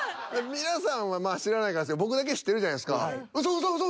皆さんは知らないから僕だけ知ってるじゃないですか。